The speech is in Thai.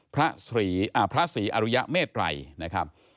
พระศรีอรุยะเมตรัยนะครับ